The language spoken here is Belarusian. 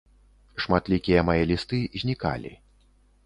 Шматлікія мае лісты знікалі.